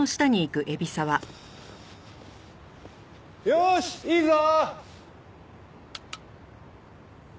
よしいいぞ！